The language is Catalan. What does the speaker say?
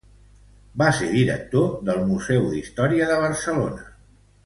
Va ser director del Museu d'Història de Barcelona.